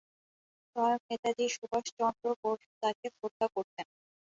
স্বয়ং নেতাজী সুভাষচন্দ্র বসু তাকে শ্রদ্ধা করতেন।